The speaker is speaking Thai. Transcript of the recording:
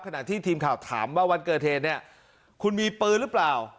ขนาดที่ทีมข่าวถามว่าวันเกิดเทนคุณมีปืนหรือเปล่า